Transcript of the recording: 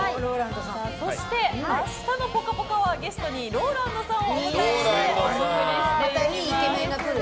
そして、明日の「ぽかぽか」はゲストにＲＯＬＡＮＤさんをお迎えしてまたイケメンが来るの？